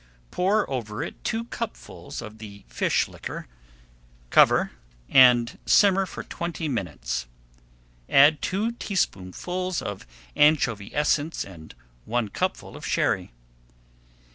Pour over it two cupfuls of the fish liquor, cover, and simmer for twenty minutes. Add two teaspoonfuls of anchovy essence and one cupful of Sherry.